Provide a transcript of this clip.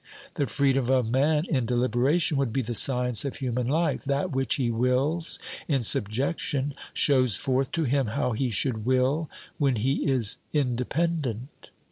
The freedom of man in deliberation would be the science of human life ; that which he wills in subjection shows forth to him how he should will when he is independent.